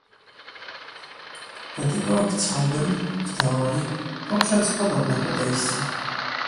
Dlatego chciałbym - w teorii -poprzeć podobne podejście